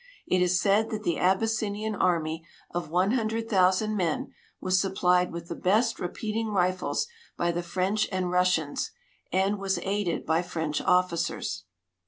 It is said that the Aby.ssinian army of one hundred thousand men was sui>])lied with the best i*e})eating rifles ]>y the French and Rus sians, and was aided by French officers.